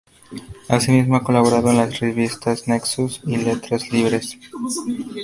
Asimismo, ha colaborado en las revistas "Nexos" y "Letras Libres".